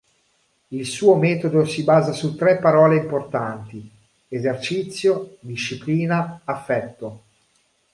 Il suo metodo si basa su tre parole importanti: esercizio, disciplina, affetto.